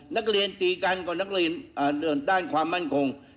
นักเรียนตีกันก่อนนักเรียนด้านความมั่นคง